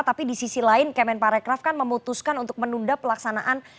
tapi di sisi lain kemenparekraf kan memutuskan untuk menunda pelaksanaan